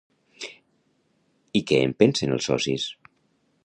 I què en pensen els socis?